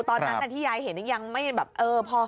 ตอนนั้นที่ยายเห็นยังไม่แบบเออพอ